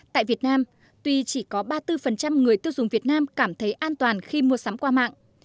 tại việt nam tuy chỉ có ba mươi bốn người tiêu dùng việt nam cảm thấy an toàn khi mua sắm qua mạng